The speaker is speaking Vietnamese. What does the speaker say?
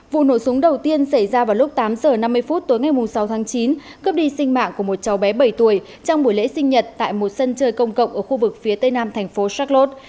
vụ nổ súng đầu tiên xảy ra vào lúc tám giờ năm mươi phút tối ngày sáu tháng chín cướp đi sinh mạng của một cháu bé bảy tuổi trong buổi lễ sinh nhật tại một sân chơi công cộng ở khu vực phía tây nam thành phố shaklot